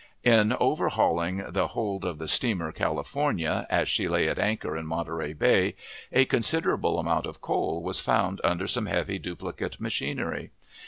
In overhauling the hold of the steamer California, as she lay at anchor in Monterey Bay, a considerable amount of coal was found under some heavy duplicate machinery.